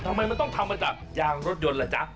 ทำไมมันต้องทำมาจากยางรถยนต์ล่ะจ๊ะ